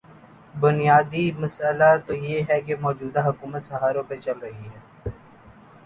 بنیادی مسئلہ تو یہ ہے کہ موجودہ حکومت سہاروں پہ چل رہی ہے۔